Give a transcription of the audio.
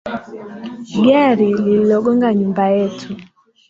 Gari liligonga nyumba yetu